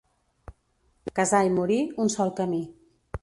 Casar i morir, un sol camí.